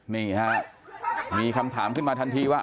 นี่ฮะมีคำถามขึ้นมาทันทีว่า